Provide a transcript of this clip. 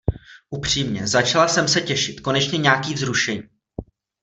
Upřímně, začala jsem se těšit, konečně nějaký vzrušení.